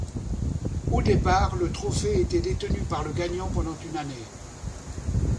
Au départ, le trophée était détenu par le gagnant pendant une année.